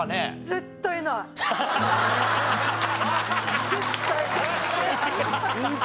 絶対ない。